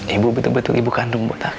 ibu betul betul ibu kandung buat aku